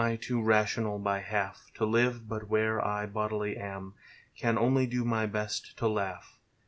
too rational by lialf To live but where I boviily am. Can only do my best to laugh.